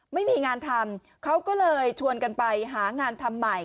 ไม่มีงานทำเขาก็เลยชวนกันไปหางานทำใหม่